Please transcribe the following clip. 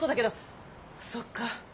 そっか。